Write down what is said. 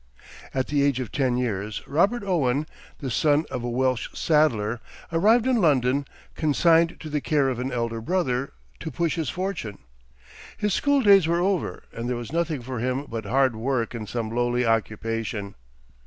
At the age of ten years, Robert Owen, the son of a Welsh saddler, arrived in London, consigned to the care of an elder brother, to push his fortune. His school days were over, and there was nothing for him but hard work in some lowly occupation.